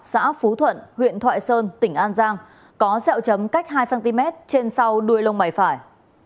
xã phú thuận huyện thoại sơn tỉnh an giang có xeo chấm cách hai cm trên sau đuôi lông mày phải